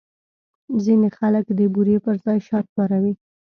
ځینې خلک د بوري پر ځای شات کاروي.